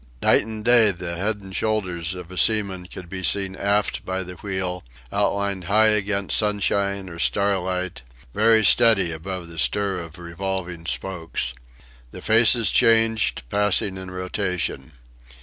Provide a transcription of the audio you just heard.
Night and day the head and shoulders of a seaman could be seen aft by the wheel, outlined high against sunshine or starlight, very steady above the stir of revolving spokes. The faces changed, passing in rotation.